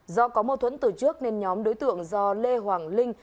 do có mâu thuẫn từ trước nên nhóm đối tượng do lê hoàng linh